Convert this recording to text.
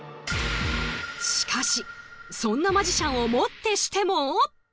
しかしそんなマジシャンをもってしても・。